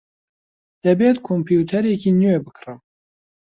دەبێت کۆمپیوتەرێکی نوێ بکڕم.